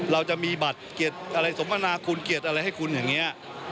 เราจะมีบัตรสมมนาคุณเกียรติอะไรให้คุณอย่างนี้